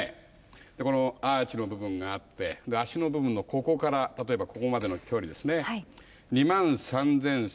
このアーチの部分があってあしの部分のここから例えばここまでの距離ですね２３，３８５ミリ。